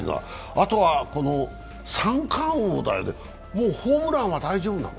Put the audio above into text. あとは三冠王だよね、もうホームランは大丈夫なの？